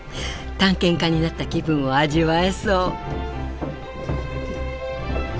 探検家になった気分を味わえそう。